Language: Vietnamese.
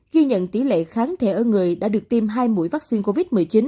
ghi nhận tỷ lệ kháng thể ở người đã được tiêm hai mũi vaccine covid một mươi chín